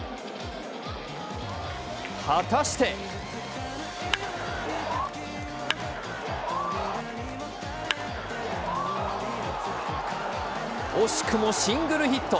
果たして惜しくもシングルヒット。